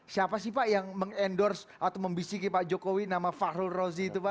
siapa sih pak yang mengendorse atau membisiki pak jokowi nama fahrul rozi itu pak